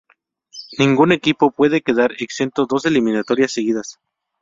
Ningún equipo puede quedar exento dos eliminatorias seguidas.